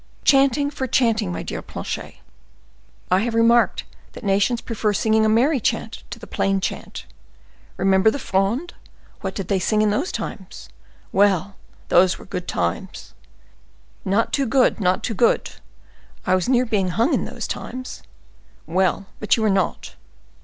Chanting for chanting, my dear Planchet; I have remarked that nations prefer singing a merry chant to the plain chant. Remember the Fronde; what did they sing in those times? Well, those were good times." "Not too good, not too good! I was near being hung in those times." "Well, but you were not."